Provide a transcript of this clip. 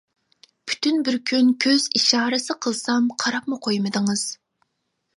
پۈتۈن بىر كۈن كۆز ئىشارىسى قىلسام قاراپمۇ قويمىدىڭىز.